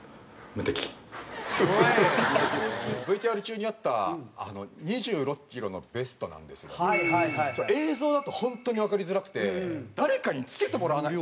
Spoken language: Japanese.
ＶＴＲ中にあった２６キロのベストなんですけども映像だと本当にわかりづらくて誰かに着けてもらわない